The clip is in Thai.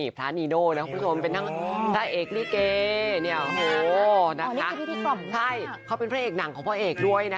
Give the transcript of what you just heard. พี่ชายของเราค่ะ